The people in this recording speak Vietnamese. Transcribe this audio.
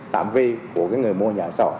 phạm vi của người mua nhà ở xã hội